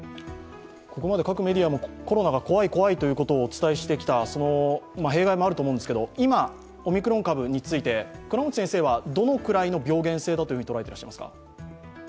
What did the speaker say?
ここまで各メディアもコロナが怖い怖いとお伝えしてきた弊害もあると思うんですけれども、オミクロン株についてどのくらいの病原性だと捉えていますか？